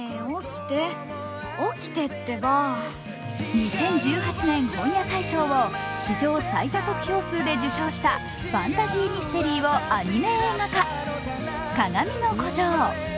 ２０１８年本屋大賞を史上最多得票数で受賞したファンタジーミステリーをアニメ映画化「かがみの孤城」。